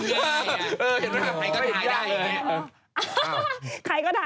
เห็นไหมครับใครก็ท้ายได้